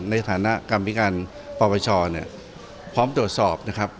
ในฐานะกรรมอิการประวัติศาสตร์เนี่ยพร้อมตรวจสอบนะครับ